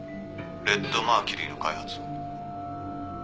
レッドマーキュリーの開発を」